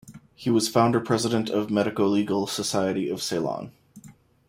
He was founder-president of the Medico-Legal Society of Ceylon.